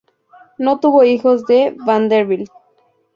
No tuvo hijos de Vanderbilt.